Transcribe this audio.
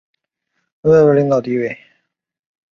取得领导地位